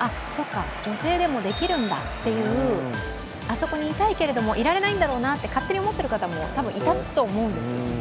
あ、そっか、女性でもできるんだという、あそこにいたいけどもいられないんだろうなと勝手に思っている方も多分いたと思うんですよね。